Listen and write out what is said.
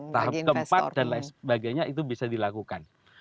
tempat dan sebagainya itu bisa dilakukan